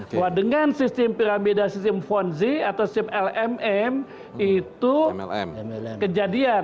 bahwa dengan sistem piramid dan sistem fonzi atau sistem lmm itu kejadian